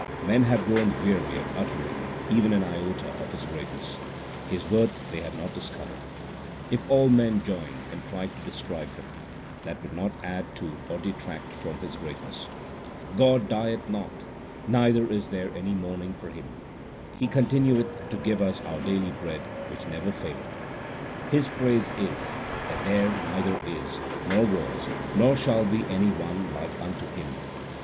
Men have grown weary of uttering Even an iota of His greatness ; His worth they have not discovered. If all men joined and tried to describe Him, That would not add to or detract from His greatness. God dieth not, neither is there any mourning for Him ; He continueth to give us our daily bread which never faileth. His praise is that there neither is, Nor was, nor shall be any one like unto Him.